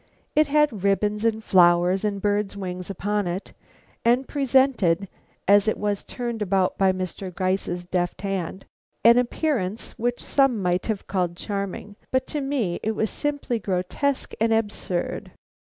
It had ribbons and flowers and bird wings upon it, and presented, as it was turned about by Mr. Gryce's deft hand, an appearance which some might have called charming, but to me was simply grotesque and absurd.